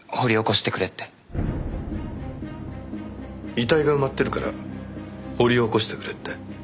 遺体が埋まってるから掘り起こしてくれって？